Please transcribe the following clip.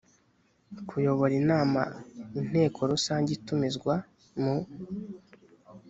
kuyobora inama inteko rusange itumizwa mu